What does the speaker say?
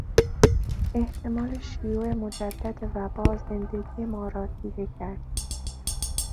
احتمال شیوع مجدد و با زندگی ما را تیره کرد.